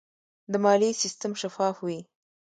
د مالیې سیستم شفاف وي.